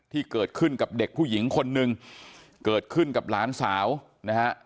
ที่เกิดขึ้นกับเด็กผู้หญิงคนนึงเกิดขึ้นกับหลานสาวนะฮะ